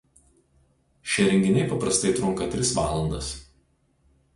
Šie renginiai paprastai trunka tris valandas.